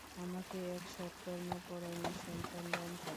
আমাকে এক সৎকর্মপরায়ণ সন্তান দান কর।